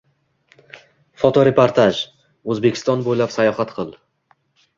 Fotoreportaj: «O‘zbekiston bo‘ylab sayohat qil!»